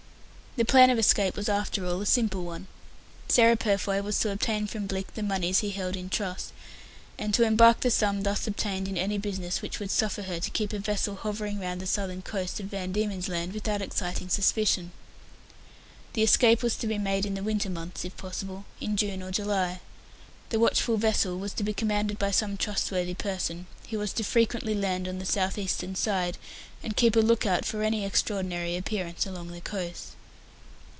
The plan of escape was after all a simple one. Sarah Purfoy was to obtain from Blicks the moneys he held in trust, and to embark the sum thus obtained in any business which would suffer her to keep a vessel hovering round the southern coast of Van Diemen's Land without exciting suspicion. The escape was to be made in the winter months, if possible, in June or July. The watchful vessel was to be commanded by some trustworthy person, who was to frequently land on the south eastern side, and keep a look out for any extraordinary appearance along the coast.